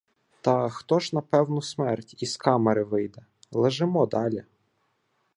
Та хто ж на певну смерть із камери вийде?! Лежимо далі.